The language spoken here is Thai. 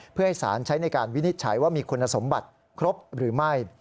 เพื่อให้สารใช้ในการวินิจฉัยว่ามีคุณสมบัติครบหรือไม่